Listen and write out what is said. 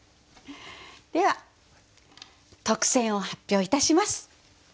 では特選を発表いたします。